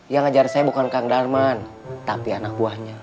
yang ngajar saya bukan kang darman tapi anak buahnya